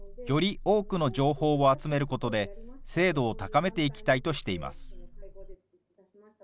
より多くの情報を集めることで、精度を高めていきたいとしています。